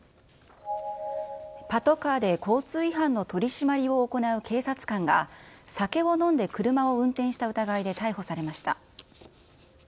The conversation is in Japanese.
パトカーで交通違反の取締りを行う警察官が、酒を飲んで車を運転した疑いで逮捕されました。